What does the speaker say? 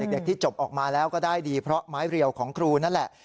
เด็กที่จบออกมาแล้วก็ได้ดีเพราะไม้เรียวของครูนั่นแหละ